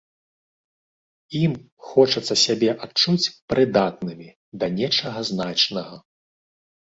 Ім хочацца сябе адчуць прыдатнымі да нечага значнага.